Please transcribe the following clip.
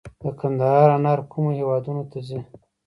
د کندهار انار کومو هیوادونو ته ځي؟